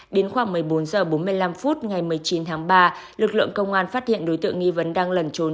đến khoảng một mươi bốn h bốn mươi năm phút ngày một mươi chín tháng ba lực lượng công an phát hiện đối tượng nghi vấn đang lẩn trốn